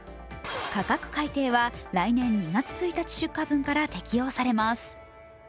価格改定は来年２月１日出荷分から適用されます。